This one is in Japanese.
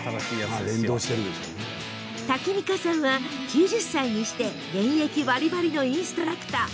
タキミカさんは、９０歳にして現役ばりばりのインストラクター。